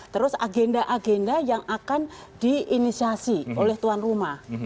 terus agenda agenda yang akan diinisiasi oleh tuan rumah